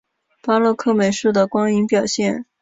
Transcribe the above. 巴洛克美术的光影表现